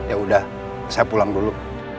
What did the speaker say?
ya udah saya pulang dulu